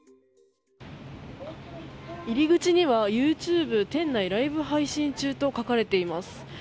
入り口には、ＹｏｕＴｕｂｅ店内ライブ配信中と書かれています。